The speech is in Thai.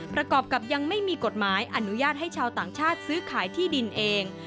ประกอบกับยังไม่มีกฎหมายอนุญาตให้ชาวต่างชาติซื้อขายที่ดินเอง